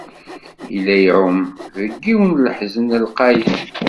Yella iεumm deg yiwen n leḥzen lqayen.